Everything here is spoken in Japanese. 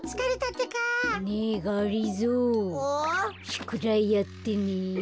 しゅくだいやってね。